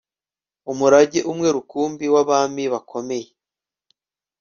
Umurage umwe rukumbi wabami bakomeye